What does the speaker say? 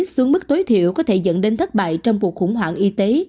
xuống mức tối thiểu có thể dẫn đến thất bại trong cuộc khủng hoảng y tế